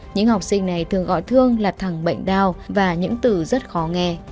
những học sinh này thường gọi thương là thẳng bệnh đau và những từ rất khó nghe